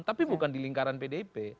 tapi bukan di lingkaran pdip